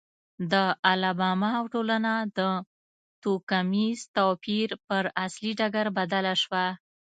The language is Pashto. د الاباما ټولنه د توکمیز توپیر پر اصلي ډګر بدله شوه.